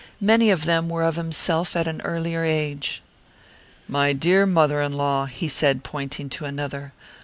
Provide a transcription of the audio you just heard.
Many of them were of himself at an earlier age. "My dear mother in law," he said, pointing to another.